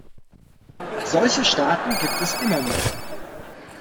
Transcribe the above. Solche Staaten gibt es immer noch.